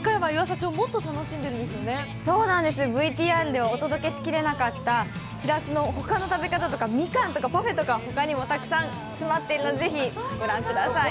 ＶＴＲでお届けしきれなかったしらすのほかの食べ方とか、ミカンとか、パフェとか、ほかにもたくさん詰まっているので、ぜひご覧ください。